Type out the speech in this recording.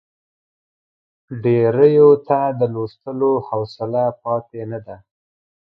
ډېریو ته د لوستلو حوصله پاتې نه ده.